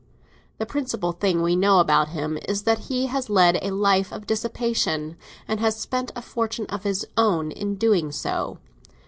The principal thing we know about him is that he has led a life of dissipation, and has spent a fortune of his own in doing so.